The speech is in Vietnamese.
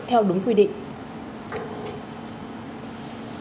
theo đúng quy định